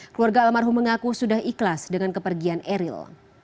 keluarga almarhum mengaku sudah ikhlas dengan kepergian eril